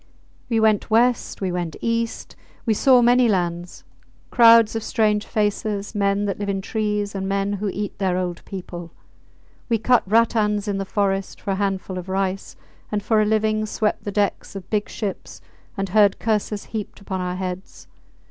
We went West, we went East. We saw many lands, crowds of strange faces, men that live in trees and men who eat their old people. We cut rattans in the forest for a handful of rice, and for a living swept the decks of big ships and heard curses heaped upon our heads.